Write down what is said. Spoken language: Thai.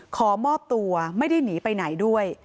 ขอมอบตัวไม่ได้หนีไปไหนด้วย